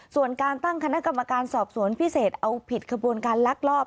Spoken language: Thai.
ส่วนการตั้งคณะกรรมการสอบสวนพิเศษเอาผิดขบวนการลักลอบ